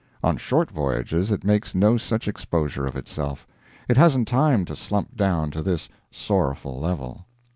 On short voyages it makes no such exposure of itself; it hasn't time to slump down to this sorrowful level.